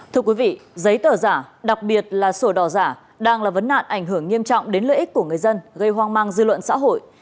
thưa quý vị giấy tờ giả đặc biệt là sổ đỏ giả đang là vấn nạn ảnh hưởng nghiêm trọng đến lợi ích của người dân gây hoang mang dư luận xã hội